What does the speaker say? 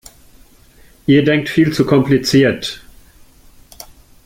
Ihr denkt viel zu kompliziert!